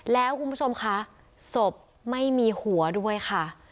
แล้วคุณผู้ชมคะศพไม่มีหัวด้วยค่ะ